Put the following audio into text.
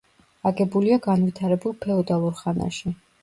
აგებულია განვითარებულ ფეოდალურ ხანაში.